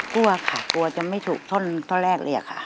กลัวค่ะกลัวจะไม่ถูกท่อนแรกเลยอะค่ะ